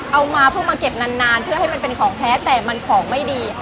เอามาเพิ่งมาเก็บนานเพื่อให้มันเป็นของแท้แต่มันของไม่ดี